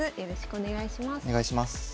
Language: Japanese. お願いします。